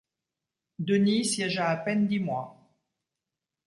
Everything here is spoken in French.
Denis siégea à peine dix mois.